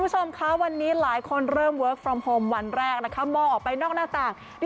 ผู้ชมคะวันนี้หลายคนเริ่มเยอะเค้มพลองวันแรกนะครับมองออกไปนอกหน้าตาก